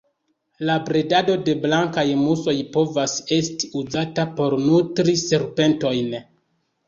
La bredado de blankaj musoj povas esti uzata por nutri serpentojn.